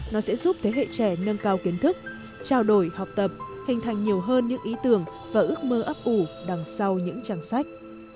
nó sẽ giúp thế hệ trẻ nâng cao kiến thức trao đổi học tập hình thành nhiều hơn những ý tưởng và ước mơ ấp ủ đằng sau những trang sách